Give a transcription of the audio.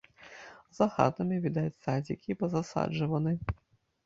За хатамі відаць садзікі пазасаджваны.